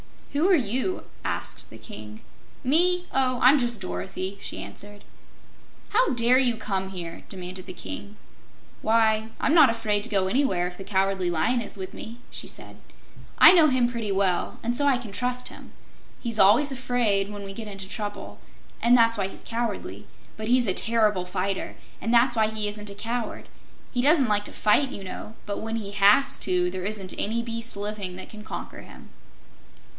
"Who are you?" asked the King. "Me? Oh, I'm just Dorothy," she answered. "How dare you come here?" demanded the King. "Why, I'm not afraid to go anywhere, if the Cowardly Lion is with me," she said. "I know him pretty well, and so I can trust him. He's always afraid, when we get into trouble, and that's why he's cowardly; but he's a terrible fighter, and that's why he isn't a coward. He doesn't like to fight, you know, but when he HAS to, there isn't any beast living that can conquer him."